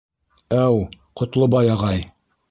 Әү, Ҡотлобай ағай!